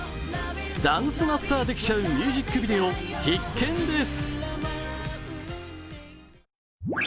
ダンスマスターできちゃうミュージックビデオ必見です。